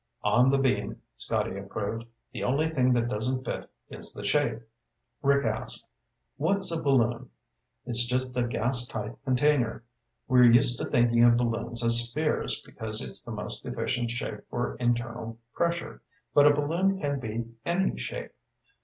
"On the beam," Scotty approved. "The only thing that doesn't fit is the shape." Rick asked, "What's a balloon? It's just a gas tight container. We're used to thinking of balloons as spheres, because it's the most efficient shape for internal pressure. But a balloon can be any shape.